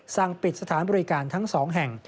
สั่งปิดสถานบริการทั้ง๒แห่ง